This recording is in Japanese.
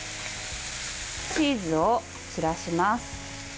チーズを散らします。